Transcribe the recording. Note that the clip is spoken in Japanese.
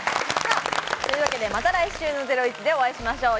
というわけでまた来週の『ゼロイチ』でお会いしましょう。